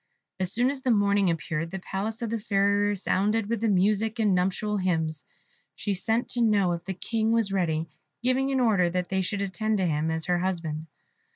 As soon as the morning appeared, the palace of the Fairy resounded with music and nuptial hymns; she sent to know if the King was ready, giving an order that they should attend to him as her husband.